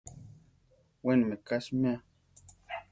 Weni meká siméa.